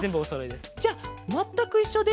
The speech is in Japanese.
じゃあまったくいっしょで。